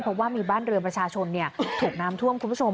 เพราะว่ามีบ้านเรือนประชาชนถูกน้ำท่วมคุณผู้ชม